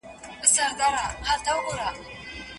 هغه اوسمهال په خپله ځمکه کي د غنمو تخم کري.